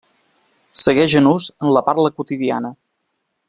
Segueix en ús en la parla quotidiana.